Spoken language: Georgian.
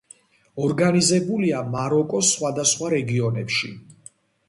ორგანიზებულია მაროკოს სხვადასხვა რეგიონებში.